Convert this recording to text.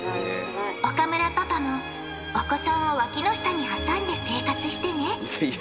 岡村パパもお子さんを脇の下に挟んで生活してねいや。